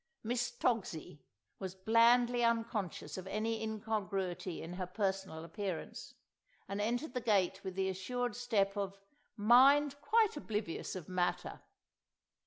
Miss Togsie was blandly unconscious of any incongruity in her personal appearance, and entered the gate with the assured step of "mind quite oblivious of matter."